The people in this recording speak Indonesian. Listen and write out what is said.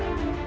baik pak baik